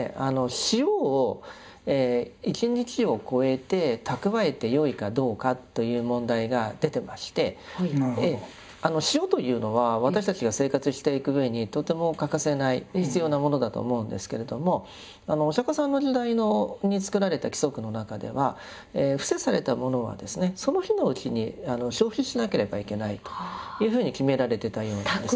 塩を一日を超えて蓄えてよいかどうかという問題が出てまして塩というのは私たちが生活していくうえにとても欠かせない必要なものだと思うんですけれどもお釈迦様の時代に作られた規則の中では布施されたものはですねその日のうちに消費しなければいけないというふうに決められてたようなんです。